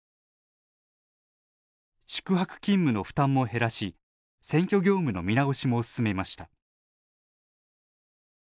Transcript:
宿泊勤務の負担も減らし選挙業務の見直しも進めました。